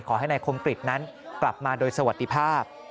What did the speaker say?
ขอให้นายคมกริจนั้นกลับมาโดยสวัสดีภาพ